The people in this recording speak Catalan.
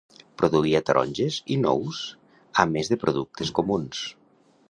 Produïa taronges i nous a més de productes comuns.